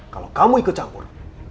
kalau kamu ikut campur